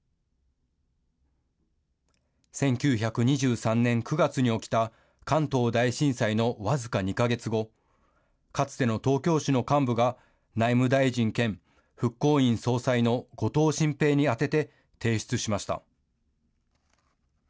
１９２３年９月に起きた関東大震災の僅か２か月後、かつての東京市の幹部が、内務大臣兼復興院総裁の後藤新平に宛てて、提出しました。